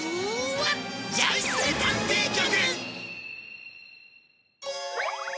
ジャイスネ探偵局！